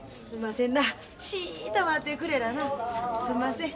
すんませんな。